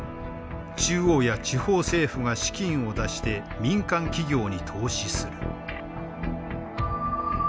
中央や地方政府が資金を出して民間企業に投資する。